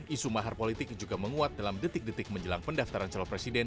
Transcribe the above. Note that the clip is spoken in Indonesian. isu mahar politik juga menguat dalam detik detik menjelang pendaftaran calon presiden